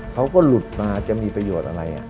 เขาก็หลุดมาจะมีประโยชน์อะไร